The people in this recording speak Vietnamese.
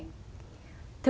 thưa quý vị